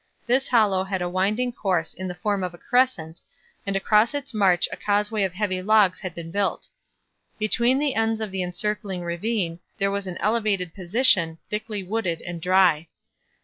This hollow had a winding course in the form of a crescent, and across its march a causeway of heavy logs had been built. Between the ends of the encircling ravine there was an elevated position, thickly wooded and dry.